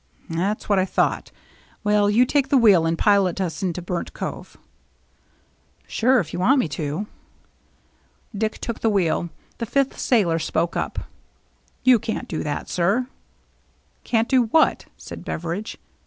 " That's what I thought. Will you take the wheel and pilot us into Burnt Cove ?"" Sure, if you want me to." Dick took the wheel. The fifth sailor spoke up. " You can't do that, sir." " Can't do what ?" said Beveridge.